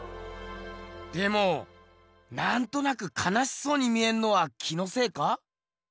でもなんとなくかなしそうに見えんのは気のせいか？